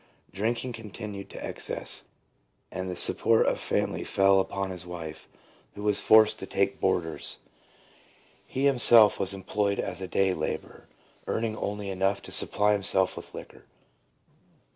Drinking con tinued to excess, and the support of the family fell upon his wife, who was forced to take boarders. He himself was employed as a day labourer, earning only enough to supply himself with liquor.